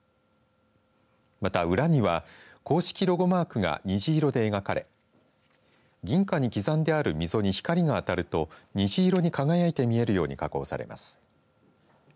また、裏には公式ロゴマークが虹色で描かれ銀貨に刻んである溝に光が当たると虹色に輝いて見えるように加工されます。